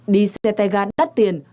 đi xe tay gà đắt tiền